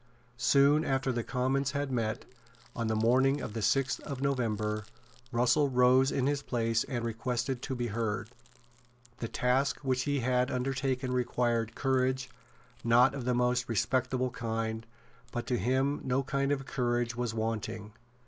Soon after the Commons had met, on the morning of the sixth of November, Russell rose in his place and requested to be heard. The task which he had undertaken required courage not of the most respectable kind; but to him no kind of courage was wanting.